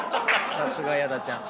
さすが矢田ちゃん。